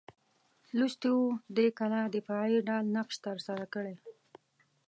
لوستي وو دې کلا دفاعي ډال نقش ترسره کړی.